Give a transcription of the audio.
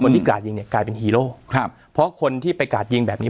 ที่กาดยิงเนี่ยกลายเป็นฮีโร่ครับเพราะคนที่ไปกาดยิงแบบนี้